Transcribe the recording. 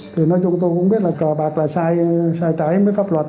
thì nói chung tôi cũng biết là cờ bạc là sai trái với pháp luật